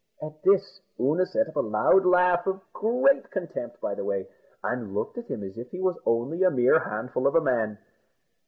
At this Oonagh set up a loud laugh, of great contempt, by the way, and looked at him as if he was only a mere handful of a man.